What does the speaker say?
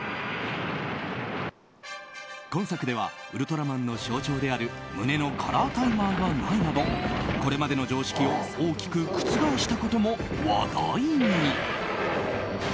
今作ではウルトラマンの象徴である胸のカラータイマーがないなどこれまでの常識を大きく覆したことも話題に。